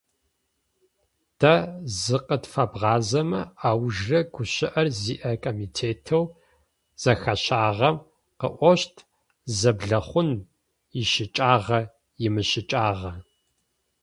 Тэ зыкъытфэбгъазэмэ, аужрэ гущыӏэр зиӏэ комитетэу зэхащагъэм къыӏощт, зэблэхъун ищыкӏагъа-имыщыкӏагъа.